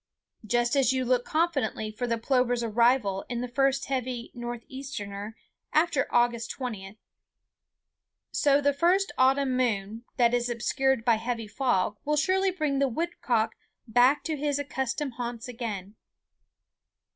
Just as you look confidently for the plover's arrival in the first heavy northeaster after August 20, so the first autumn moon that is obscured by heavy fog will surely bring the woodcock back to his accustomed haunts again.